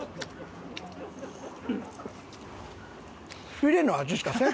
フィレの味しかせん。